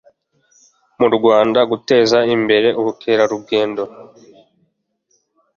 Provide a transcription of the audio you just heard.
mu rwanda guteza imbere ubukerarugendo